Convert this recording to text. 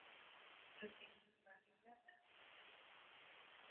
تدرس ماريا دائماً.